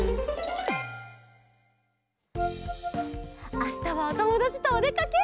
あしたはおともだちとおでかけ！